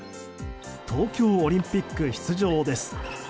東京オリンピック出場です。